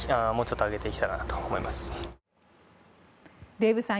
デーブさん